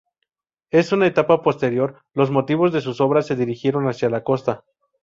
En una etapa posterior, los motivos de sus obras se dirigieron hacia la costa.